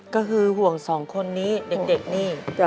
ก็คือห่วงสองคนนี้เด็กนี่